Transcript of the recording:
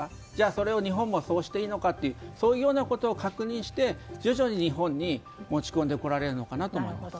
それを日本でもそうしていいのかということを確認して徐々に、日本に持ち込んでこられるのかなと思います。